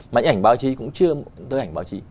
mà những ảnh báo chí cũng chưa tới ảnh báo chí